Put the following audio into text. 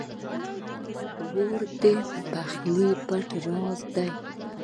اوړه د پخلي پټ راز دی